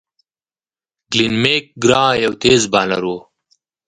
گلين میک ګرا یو تېز بالر وو.